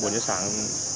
bốn giờ sáng